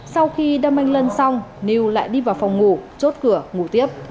sau khi đâm anh lân xong lưu lại đi vào phòng ngủ chốt cửa ngủ tiếp